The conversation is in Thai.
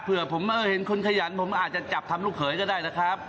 เผื่อผมเห็นคนขยันผมอาจจะจับทำลูกเขยก็ได้นะครับ